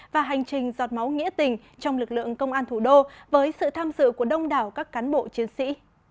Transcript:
và hành trình giọt máu nghĩa tình trong lực lượng công an thủ đô với sự tham dự của đông đảo các cán bộ chiến sĩ